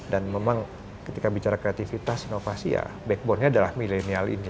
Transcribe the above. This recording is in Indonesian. dan memang ketika bicara kreativitas inovasi ya backbone nya adalah millennial ini